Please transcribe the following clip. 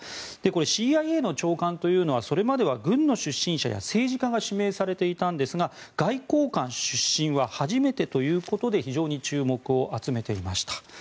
これ、ＣＩＡの長官というのはそれまでは軍の出身者や政治家が指名されていたんですが外交官出身は初めてということで非常に注目を集めていました。